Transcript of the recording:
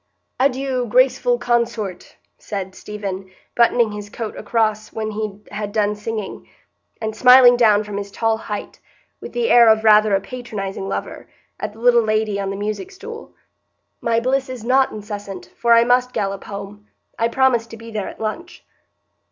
"Adieu, 'graceful consort,'" said Stephen, buttoning his coat across when he had done singing, and smiling down from his tall height, with the air of rather a patronizing lover, at the little lady on the music stool. "My bliss is not incessant, for I must gallop home. I promised to be there at lunch."